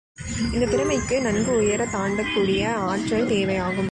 இந்தத் திறமைக்கு நன்கு உயரத் தாண்டக்கூடிய ஆற்றல் தேவையாகும்.